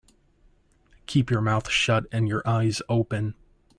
Keep your mouth shut and your eyes open.